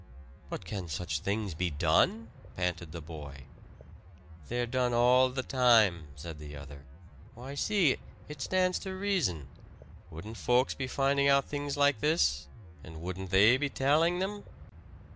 "But can such things be done?" panted the boy. "They're done all the time," said the other. "Why, see it stands to reason. Wouldn't folks be finding out things like this, and wouldn't they be tellin' them?"